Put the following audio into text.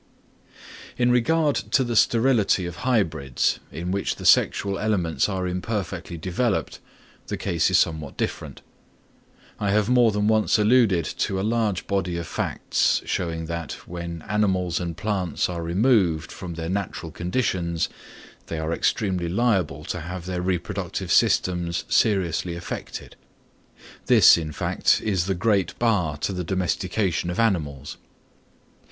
In regard to the sterility of hybrids, in which the sexual elements are imperfectly developed, the case is somewhat different. I have more than once alluded to a large body of facts showing that, when animals and plants are removed from their natural conditions, they are extremely liable to have their reproductive systems seriously affected. This, in fact, is the great bar to the domestication of animals.